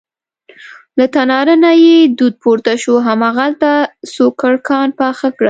له تناره نه یې دود پورته شو، هماغلته سوکړکان پاخه کړه.